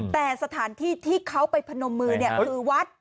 แต่สถานที่ที่เขาไปพนมมือคือวัด